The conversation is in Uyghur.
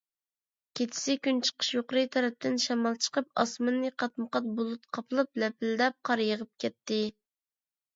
كېچىسى كۈنچىقىش يۇقىرى تەرەپتىن شامال چىقىپ، ئاسماننى قاتمۇقات بۇلۇت قاپلاپ، لەپىلدەپ قار يېغىپ كەتتى.